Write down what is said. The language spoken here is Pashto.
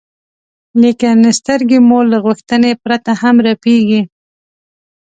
لیکن سترګې مو له غوښتنې پرته هم رپېږي.